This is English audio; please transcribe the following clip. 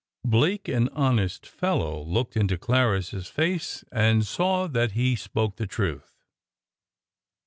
Blake an honest fellow looked into Clarris's face, and saw that he spoke the truth.